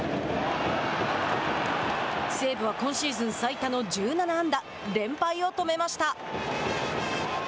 西武は今シーズン最多の１７安打連敗を止めました。